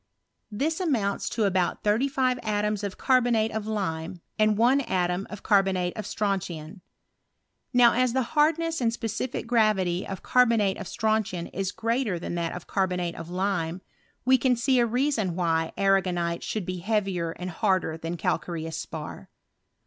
This amounts to about thirty five atoms of carbonate <}f lime, and one atom of carbonate of strontian. Now as the hardness and specific gravity of car bonate of strontian is greater than that of carbonate of lime, we can see a reason why arragonite should be heavier and harder than calcareous spar.